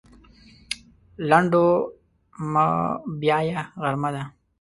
لنډو مه بیایه غرمه ده.